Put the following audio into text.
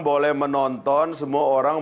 boleh menonton semua orang